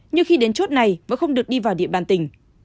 nhưng khi đến chốt này vẫn không được đi vào địa bàn tỉnh